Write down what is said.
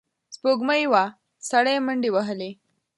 سپوږمۍ وه، سړی منډې وهلې.